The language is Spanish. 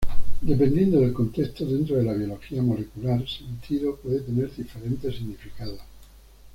Dependiendo del contexto dentro de la biología molecular, "sentido" puede tener diferentes significados.